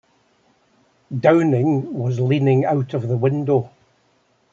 Downing was leaning out of the window.